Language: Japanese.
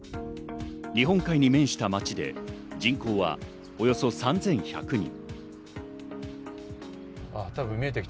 日本海に面した町で、人口はおよそ３１００人。